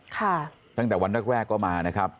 จากวันแรกก็มานะครับ